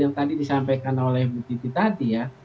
yang tadi disampaikan oleh bu titi tadi ya